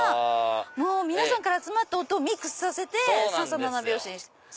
皆さんから集まった音をミックスさせて三三七拍子に。